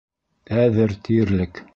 Әҙер тиерлек.